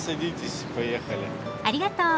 ありがとう。